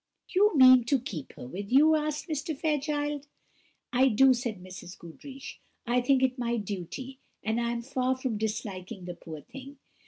"You mean to keep her with you?" asked Mr. Fairchild. "I do," said Mrs. Goodriche; "I think it my duty, and I am far from disliking the poor thing.